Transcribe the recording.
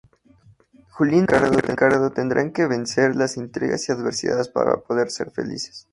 Juliana y Ricardo tendrán que vencer las intrigas y adversidades para poder ser felices.